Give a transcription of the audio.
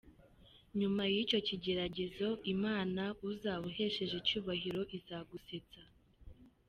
nyuma yicyokigeragezo Imana uzabuhesheje icyubahiro izagusetsa.